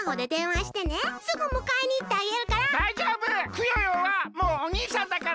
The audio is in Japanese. クヨヨはもうおにいさんだから！